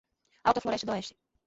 Alta Floresta d'Oeste